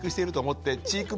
って。